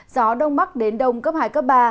gió đông bắc đến đông cấp hai cấp ba